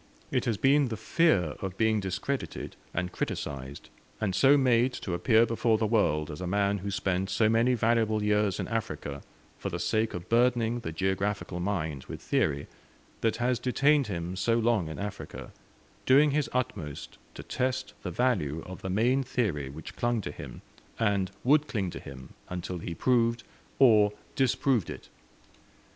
It has been the fear of being discredited and criticised and so made to appear before the world as a man who spent so many valuable years in Africa for the sake of burdening the geographical mind with theory that has detained him so long in Africa, doing his utmost to test the value of the main theory which clung to him, and would cling to him until he proved or disproved it.